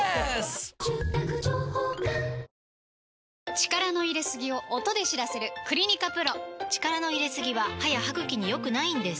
力の入れすぎを音で知らせる「クリニカＰＲＯ」力の入れすぎは歯や歯ぐきに良くないんです